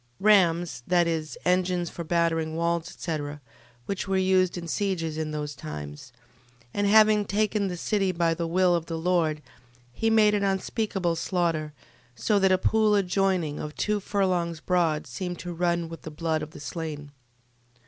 Rams... That is, engines for battering walls, etc., which were used in sieges in those times. 12:16. And having taken the city by the will of the Lord, he made an unspeakable slaughter, so that a pool adjoining, of two furlongs broad, seemed to run with the blood of the slain.